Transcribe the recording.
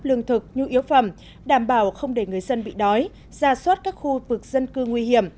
lương thực nhu yếu phẩm đảm bảo không để người dân bị đói ra soát các khu vực dân cư nguy hiểm